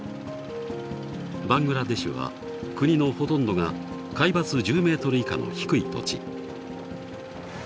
バングラデシュは国のほとんどが海抜１０メートル以下の低い土地。